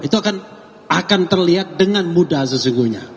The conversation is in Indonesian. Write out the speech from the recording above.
itu akan terlihat dengan mudah sesungguhnya